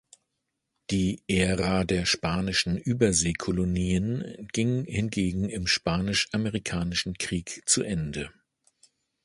Die Ära der spanischen Übersee-Kolonien ging hingegen im Spanisch-Amerikanischen Krieg zu Ende.